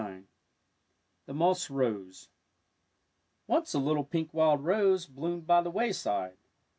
103 THE MOSS ROSE Once a little pink wild rose bloomed by the wayside.